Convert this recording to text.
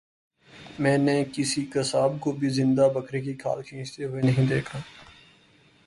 میں نے کسی قصاب کو بھی زندہ بکرے کی کھال کھینچتے ہوئے نہیں دیکھا